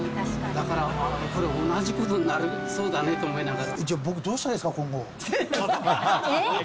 だから、これ、同じことになりそうだねと思いながら。